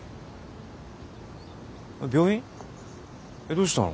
どうしたの？